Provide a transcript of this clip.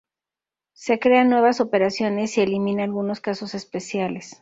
Se crean nuevas operaciones y elimina algunos casos especiales.